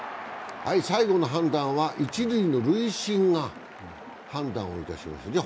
はい、最後の判断は一塁の塁審が判断をいたします。